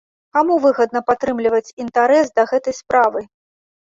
Каму выгадна падтрымліваць інтарэс да гэтай справы?